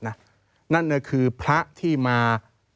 นั่นก็คือพระที่มา